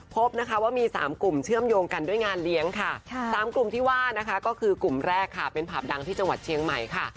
พบนะคะว่ามี๓กลุ่มเชื่อมโยงกันด้วยงานเลี้ยงค่ะ๓กลุ่มที่ว่านะคะก็คือกลุ่มแรกค่ะเป็นผับดังที่จังหวัดเชียงใหม่ค่ะ